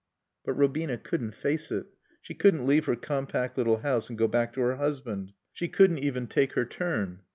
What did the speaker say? But Robina couldn't face it. She couldn't leave her compact little house and go back to her husband. She couldn't even take her turn.